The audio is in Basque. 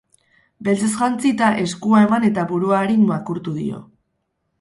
Beltzez jantzita, eskua eman eta burua arin makurtu dio.